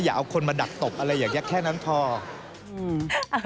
อย่าเอาคนมาดับตบอะไรอย่างแค่นั้นพอ